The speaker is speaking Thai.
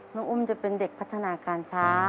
น้องอุ้มจะเป็นเด็กพัฒนาการช้า